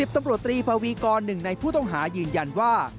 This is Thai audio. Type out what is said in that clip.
ตำรวจตรีพวีกร๑ในผู้ต้องหายืนยันว่า